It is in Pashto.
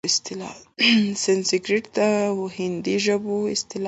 سنسکریت او هندي ژبو اصطلاح ده؛